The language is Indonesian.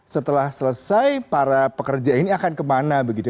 setelah selesai para pekerja ini akan kemana begitu